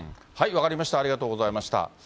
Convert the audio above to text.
分かりました、ありがとうございました。